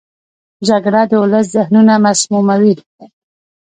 جګړه د ولس ذهنونه مسموموي